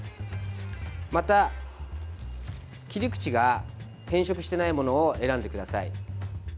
また切り口が変色してないものを選んでください。